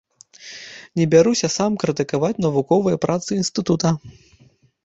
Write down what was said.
Не бяруся сам крытыкаваць навуковыя працы інстытута.